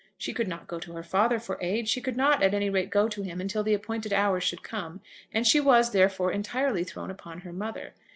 She could not go to her father for aid; she could not, at any rate, go to him until the appointed hour should come; and she was, therefore, entirely thrown upon her mother.